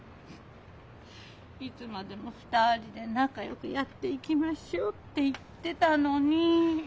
「いつまでも２人で仲よくやっていきましょう」って言ってたのに。